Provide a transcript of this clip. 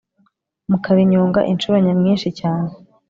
mukarinyonga inshuro nyamwinshi cyane